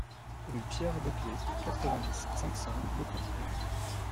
Rue Pierre Beucler, quatre-vingt-dix, cinq cents Beaucourt